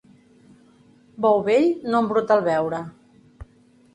Bou vell no embruta el beure.